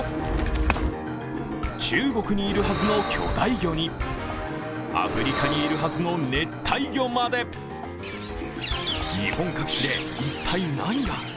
中国にいるはずの巨大魚に、アフリカにいるはずの熱帯魚まで日本各地で一体何が？